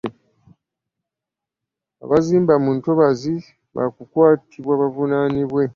Abazimba mu ntobazzi baakukwatibwa bavunaanibwe.